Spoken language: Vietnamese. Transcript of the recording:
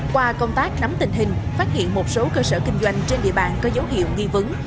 qua công tác nắm tình hình phát hiện một số cơ sở kinh doanh trên địa bàn có dấu hiệu nghi vấn